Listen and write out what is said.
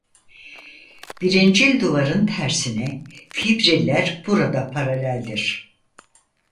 Birincil duvarın tersine fibriller burada paraleldir.